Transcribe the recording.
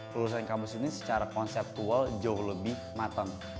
lulusan kampus ini secara konseptual jauh lebih matang